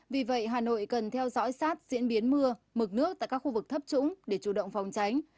vì vậy hà nội cần theo dõi sát diễn biến mưa mực nước tại các khu vực thấp trũng để chủ động phòng tránh